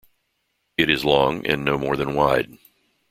It is long and no more than wide.